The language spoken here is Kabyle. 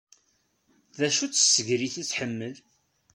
D acu-tt tsegrit ay tḥemmel?